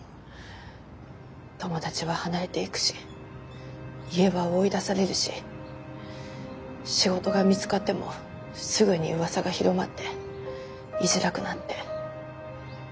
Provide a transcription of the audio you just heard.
友達は離れていくし家は追い出されるし仕事が見つかってもすぐにうわさが広まって居づらくなって。